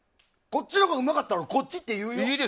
こっちのほうがうまかったらこっちって言うよ？